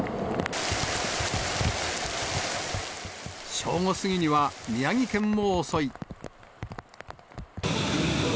正午過ぎには宮城県を襲い。